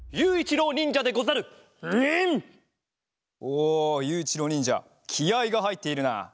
おゆういちろうにんじゃきあいがはいっているな。